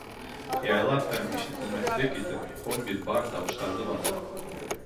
Яйлап һәм ишетелмэҫлек итеп, ҡом бит бар тауыштарҙы баҫа.